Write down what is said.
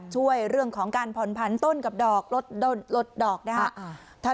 ช่วยเรื่องของการผ่อนพันต้นกับดอกลดลดลดดอกดีค่ะอ่า